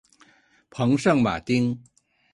蓬圣马丁。